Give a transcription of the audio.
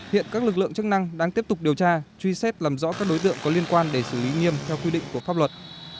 hiện các lực lượng chức năng đang tiếp tục điều tra truy xét làm rõ các đối tượng có liên quan để xử lý nghiêm theo quy định của pháp luật